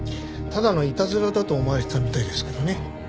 ただのいたずらだと思われてたみたいですけどね。